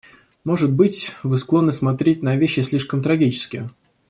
Может быть, вы склонны смотреть на вещи слишком трагически.